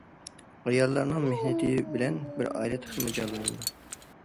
ئاياللارنىڭ مېھنىتى بىلەن بىر ئائىلە تېخىمۇ جانلىنىدۇ.